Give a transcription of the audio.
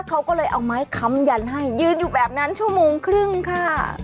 เขาก็เลยเอาไม้ค้ำยันให้ยืนอยู่แบบนั้นชั่วโมงครึ่งค่ะ